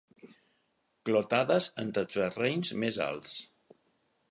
Clotades entre terrenys més alts.